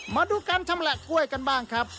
มาดูการชำแหละกล้วยกันบ้างครับ